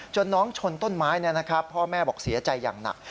น้องชนต้นไม้พ่อแม่บอกเสียใจอย่างหนัก